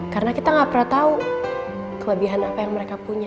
karena kita gak perlu tau kelebihan apa yang mereka punya